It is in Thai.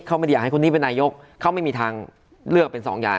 เขาไม่ได้อยากให้คนนี้เป็นนายกเขาไม่มีทางเลือกเป็นสองอย่าง